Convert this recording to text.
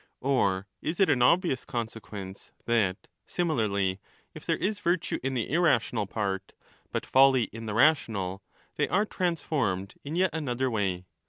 Or is it an obvious consequence ^ that, similarly, if there is virtue in the irrational part, but folly* in the rational, they are trans formed in yet another way.